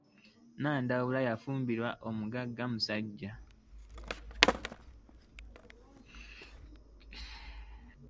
Nandawula yafumbirwa omusajja omugaga.